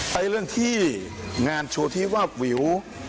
ในเรื่องที่งานโชว์วาบวิว